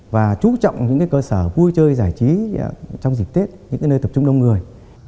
và chú trọng những cơ sở vui chơi giải trí trong dịp tết những nơi tập trung đông người